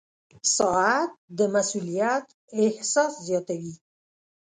• ساعت د مسؤولیت احساس زیاتوي.